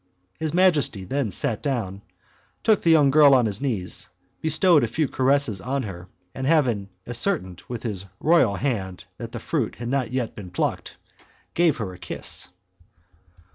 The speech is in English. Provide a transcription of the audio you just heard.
His majesty then sat down, took the young girl on his knees, bestowed a few caresses on her, and having ascertained with his royal hand that the fruit had not yet been plucked, he gave her a kiss.